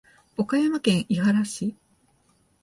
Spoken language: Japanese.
岡山県井原市